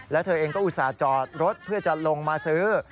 แล้วเธอเองก็อุตส่าห์จอดรถเพื่อจะลงมาซื้อ